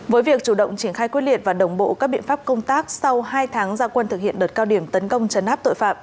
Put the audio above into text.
với việc chủ động triển khai quyết liệt và đồng bộ các biện pháp công tác sau hai tháng gia quân thực hiện đợt cao điểm tấn công chấn áp tội phạm